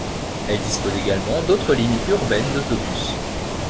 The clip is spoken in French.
Elle dispose également d'autres lignes urbaines d'autobus.